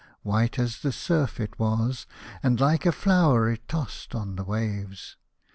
White as the surf it was, and like a flower it tossed on the waves.